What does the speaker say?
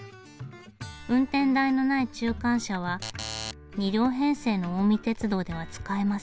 運転台のない中間車は２両編成の近江鉄道では使えません。